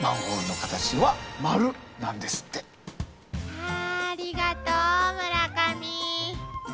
はぁありがとう村上。